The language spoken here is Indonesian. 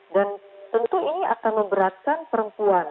dan tentu ini akan memberatkan perempuan